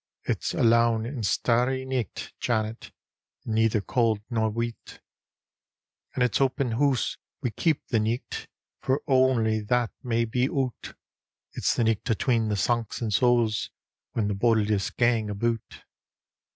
It's a lown and starry ntcht, Janet, And neither cold nor weet And it's open hoose we keep the nidit For ony that may be oot; It's the nicht atwcen the Sancts an' Souk Whan the bodiless gang aboot.